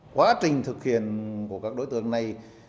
quá trình thực hiện của các đối tượng này